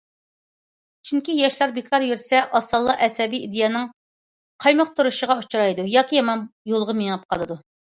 چۈنكى، ياشلار بىكار يۈرسە، ئاسانلا ئەسەبىي ئىدىيەنىڭ قايمۇقتۇرۇشىغا ئۇچرايدۇ ياكى يامان يولغا مېڭىپ قالىدۇ.